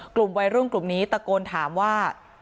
กลุ่มวัยรุ่นกลุ่มนี้ตะโกนถามว่า